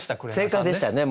正解でしたね。